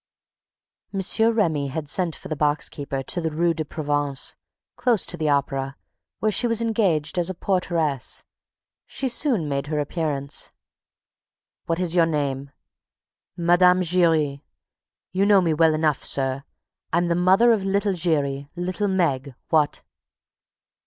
M. Remy had sent for the box keeper to the Rue de Provence, close to the Opera, where she was engaged as a porteress. She soon made her appearance. "What's your name?" "Mme. Giry. You know me well enough, sir; I'm the mother of little Giry, little Meg, what!"